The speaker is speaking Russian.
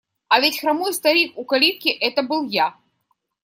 А ведь хромой старик у калитки – это был я.